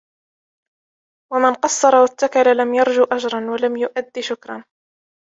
وَمَنْ قَصَّرَ وَاتَّكَلَ لَمْ يَرْجُ أَجْرًا وَلَمْ يُؤَدِّ شُكْرًا